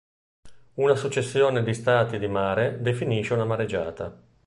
Una successione di stati di mare definisce una mareggiata.